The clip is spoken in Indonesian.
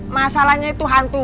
masalahnya itu hantu